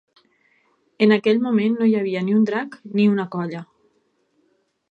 En aquell moment no hi havia ni un drac, ni una colla.